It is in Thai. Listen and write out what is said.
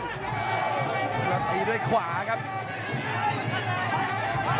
แล้วตีด้วยขวาครับ